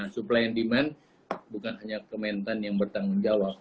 supply and demand bukan hanya kementan yang bertanggung jawab